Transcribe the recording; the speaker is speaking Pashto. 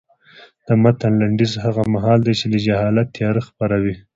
د متن لنډیز هغه مهال دی چې د جهالت تیاره خپره وه.